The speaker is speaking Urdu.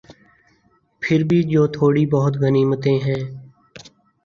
پھر بھی جو تھوڑی بہت غنیمتیں ہیں۔